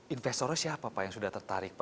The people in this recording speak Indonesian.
investornya siapa pak yang sudah tertarik pak